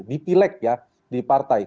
dipileg ya di partai